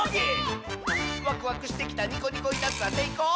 「ワクワクしてきたニコニコいたずら」「せいこう？